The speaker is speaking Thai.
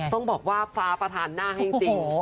ต้องบอกว่าฟ้าประธานหน้าให้จริง